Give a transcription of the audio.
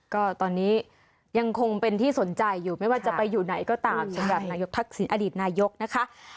ก็ตอนนี้ยังคงเป็นที่สนใจอยู่ไม่ว่าจะไปอยู่ไหนก็ตามสำหรับนายกทักษิณอดีตนายกนะคะ